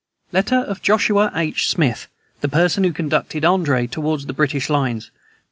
Letter of Joshua H. Smith, the person who conducted André toward the British lines.